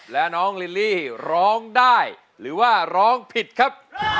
และน้องลิลลี่ร้องได้หรือว่าร้องผิดครับ